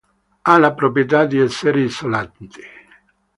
Ha la proprietà di essere isolante.